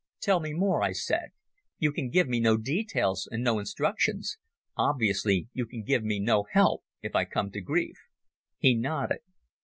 "Tell me more," I said. "You can give me no details and no instructions. Obviously you can give me no help if I come to grief." He nodded.